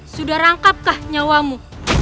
sudah rangkapkah nyawamu